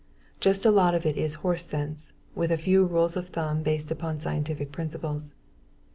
Just a lot of it is "horse sense", with a few rules of thumb based upon scientific principles.